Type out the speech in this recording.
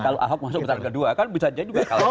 kalau ahok masuk putaran kedua kan bisa jadi juga kalah